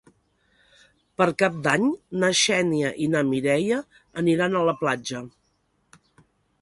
Per Cap d'Any na Xènia i na Mireia aniran a la platja.